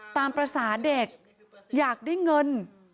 ตามภาษาเด็กอยากได้เงิน